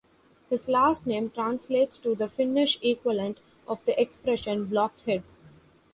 His last name translates to the Finnish equivalent of the expression "blockhead".